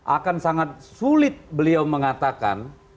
akan sangat sulit beliau mengatakan